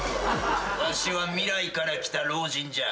わしは未来から来た老人じゃ。